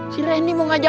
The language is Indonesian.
si randy mau ngajak